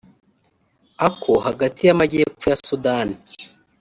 ako hagati n’Amajyepfo ya Sudani